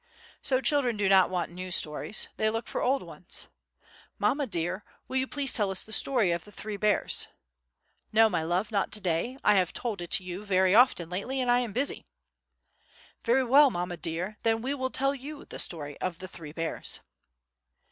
So children do not want new stories; they look for old ones. "Mamma dear, will you please tell us the story of 'The Three Bears'?" "No, my love, not to day, I have told it you very often lately and I am busy." "Very well, Mamma dear, then we will tell you the story of 'The Three Bears.